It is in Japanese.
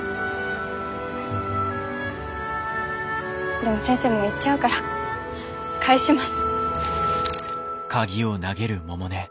でも先生もう行っちゃうから返します。